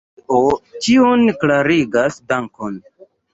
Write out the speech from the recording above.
Tio ĉion klarigas, dankon!